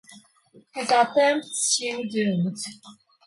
His attempts seem doomed.